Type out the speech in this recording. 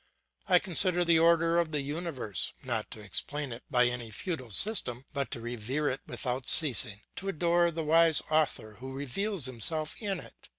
I consider the order of the universe, not to explain it by any futile system, but to revere it without ceasing, to adore the wise Author who reveals himself in it.